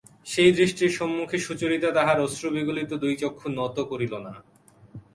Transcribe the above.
সেই দৃষ্টির সন্মুখে সুচরিতা তাহার আশ্রুবিগলিত দুই চক্ষু নত করিল না।